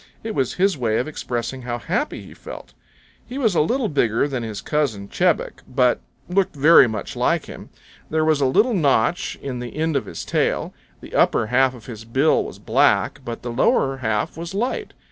It was his way of expressing how happy he felt. He was a little bigger than his cousin, Chebec, but looked very much like him. There was a little notch in the end of his tail. The upper half of his bill was black, but the lower half was light.